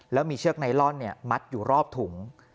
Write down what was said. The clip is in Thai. แล้วมีเชือกไนลอนมัดอยู่รอบถุง